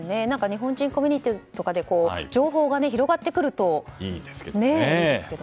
日本人コミュニティーとかで情報が広がるといいですが。